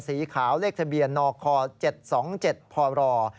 สีขาวเลขทะเบียนนค๗๒๗พร